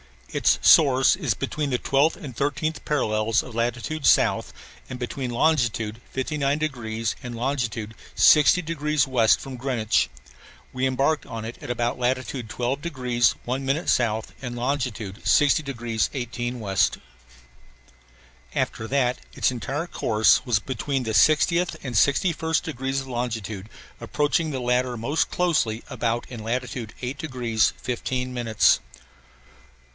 Its source is between the 12th and 13th parallels of latitude south, and between longitude 59 degrees and longitude 60 degrees west from Greenwich. We embarked on it about at latitude 12 degrees 1 minute south and longitude 60 degrees 18 west. After that its entire course was between the 60th and 61st degrees of longitude approaching the latter most closely about in latitude 8 degrees 15 minutes.